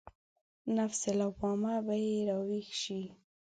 نفس لوامه به يې راويښ شي.